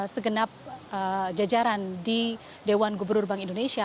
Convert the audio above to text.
segenap jajaran di dewan gubernur bank indonesia